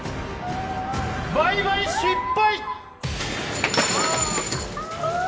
倍買失敗！